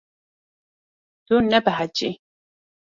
Tu nebehecî.